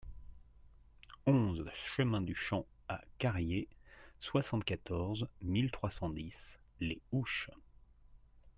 onze chemin du Champ à Carrier, soixante-quatorze mille trois cent dix Les Houches